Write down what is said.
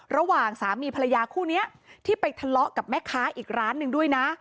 ระหว่างสามีภรรยาคู่นี้ที่ไปทะเลาะกับแม่ค้าอีกร้านหนึ่งด้วยนะ